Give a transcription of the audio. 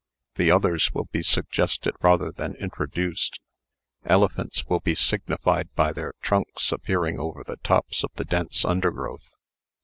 The others will be suggested rather than introduced. Elephants will be signified by their trunks appearing above the tops of the dense undergrowth.